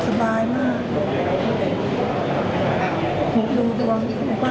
สบายมาก